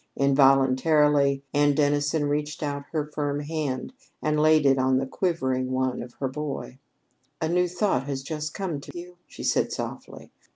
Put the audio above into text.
Involuntarily, Anne Dennison reached out her firm warm hand and laid it on the quivering one of her boy. "A new thought has just come to you!" she said softly.